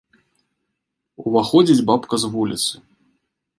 Уваходзіць бабка з вуліцы.